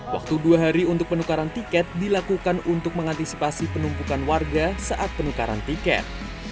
waktu dua hari untuk penukaran tiket dilakukan untuk mengantisipasi penumpukan warga saat penukaran tiket